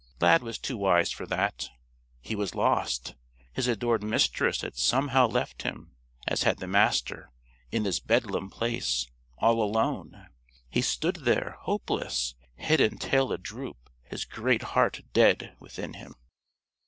Lad was too wise for that. He was lost. His adored Mistress had somehow left him; as had the Master; in this bedlam place all alone. He stood there, hopeless, head and tail adroop, his great heart dead within him.